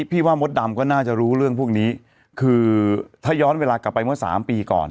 พี่ว่ามดดำก็น่าจะรู้เรื่องพวกนี้คือถ้าย้อนเวลากลับไปเมื่อสามปีก่อน